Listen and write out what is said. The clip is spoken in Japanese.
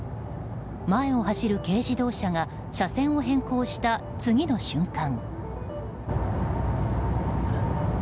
前を走る軽自動車が車線を変更した次の瞬間。